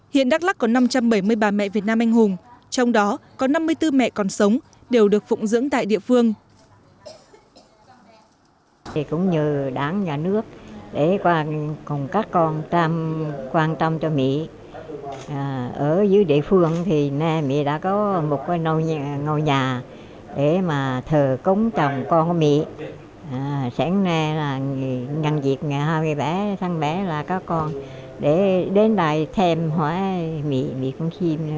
hiện đắk lắc có năm trăm bảy mươi bà mẹ việt nam anh hùng trong đó có năm mươi bốn mẹ còn sống đều được phụng dưỡng tại địa phương